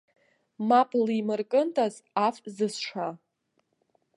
Мап лимыркындаз, аф зысша.